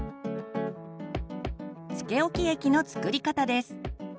つけおき液の作り方です。